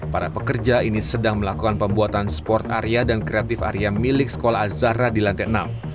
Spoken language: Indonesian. para pekerja ini sedang melakukan pembuatan sport area dan kreatif area milik sekolah azahra di lantai enam